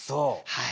はい。